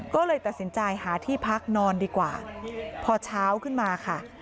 ก็เลยตัดสินใจหาที่พักนอนดีกว่าพอเช้าขึ้นมาค่ะ